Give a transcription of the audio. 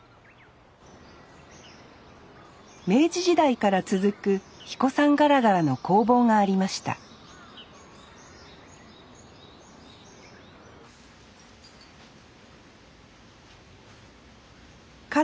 明治時代から続く英彦山がらがらの工房がありましたか